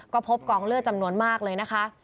ก็พบกองเลือดจำนวนมากเลยนะคะ